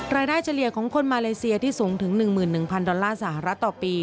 เฉลี่ยของคนมาเลเซียที่สูงถึง๑๑๐๐ดอลลาร์สหรัฐต่อปี